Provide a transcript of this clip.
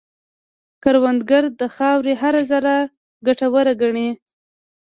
کروندګر د خاورې هره ذره ګټوره ګڼي